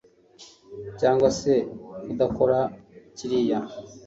cyangwa se kudakora kiriya